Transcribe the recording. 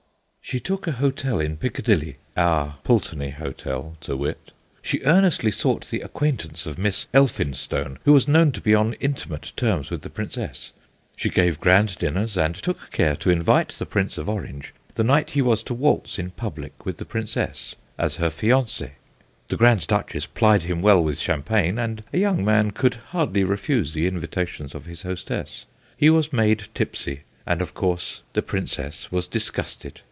'She took a hotel in Piccadilly,' our Pulteney Hotel, to wit, ' she earnestly sought the acquaintance of Miss Elphinstone, who was known to be on intimate terms with the Princess. She gave grand dinners, and took care to invite: the Prince of Orange the night he was to waltz in public with the Princess, as her fiance*. The Grand Duchess plied him well with champagne, and a young man could hardly refuse the invitations of his hostess ; he was made tipsy, and of course the Princess was disgusted.